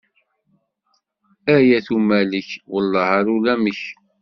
Ay at Umalek, welleh ar ulamek.